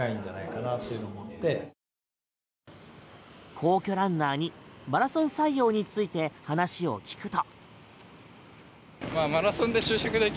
皇居ランナーにマラソン採用について話を聞くと。